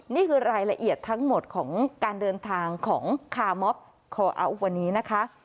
นี่คือรายละเอียดทั้งหมดของการเดินทางของคาร์มอฟคออัลวันนี้นะคะ